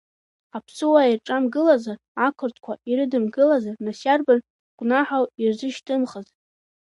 Аԥсуаа ирҿамгылазар, ақырҭқәа ирыдымгылазар, нас иарбан гәнаҳау ирзышьҭымхыз?